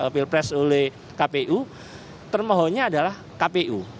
pilpres oleh kpu termohonnya adalah kpu